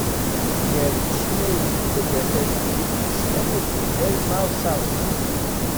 Gar yicennayen n taddart-agi i d-yecnan ad nebder Marseɣsan.